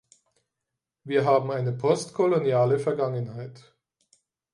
Wir haben eine postkoloniale Vergangenheit.